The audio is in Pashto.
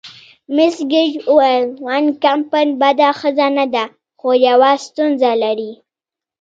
مس ګیج وویل: وان کمپن بده ښځه نه ده، خو یوه ستونزه لري.